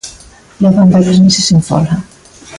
Levan varios meses en folga.